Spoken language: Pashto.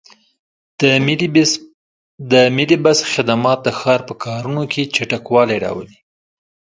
د ملي بس خدمات د ښار په کارونو کې چټکوالی راولي.